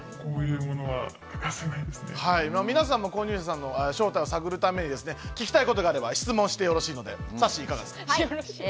皆さんも購入者さんの正体を探るために聞きたいことがあれば質問して良いのでさっしーどうですか？